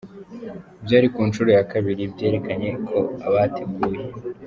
Byari kunshuro ya kabiri, byerekanye ko abateguye.